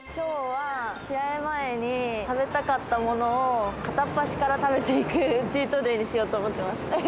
試合前に食べたかったものを片っ端から食べていくチートデイにしようと思います。